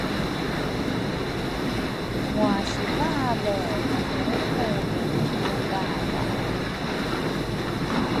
mua sivale unguungulu ku bava.